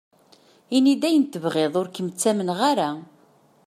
Ini-d ayen tebɣiḍ, ur kem-ttamneɣ ara.